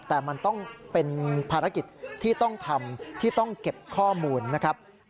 แต่มันต้องเป็นภารกิจที่ต้องทำที่ต้องเก็บข้อมูลนะครับ